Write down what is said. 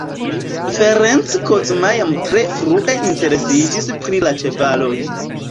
Ferenc Kozma jam tre frue interesiĝis pri la ĉevaloj.